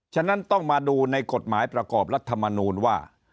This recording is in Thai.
ฉะนั้นต้องมาดูในกฎหมายประกอบรัฐมนูลว่า